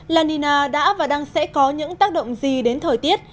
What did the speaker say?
la nina đã và đang sẽ có những tác động gì đến thời tiết